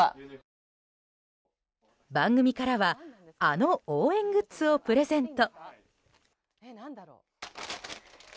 番組からはあの応援グッズをプレゼント。